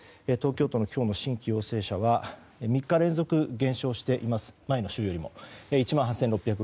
東京都の今日の新規陽性者は３日連続、減少しています１万８６６０人。